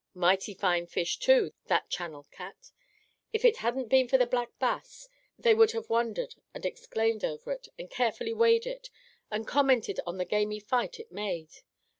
Mighty fine fish, too, that channel cat! If it hadn't been for the Black Bass, they would have wondered and exclaimed over it, and carefully weighed it, and commented on the gamy fight it made.